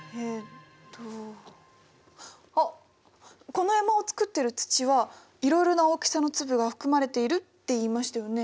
この山を作ってる土はいろいろな大きさの粒が含まれているって言いましたよね？